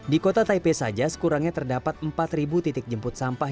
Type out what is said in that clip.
di kota taipei saja sekurangnya terdapat empat titik jemput sampah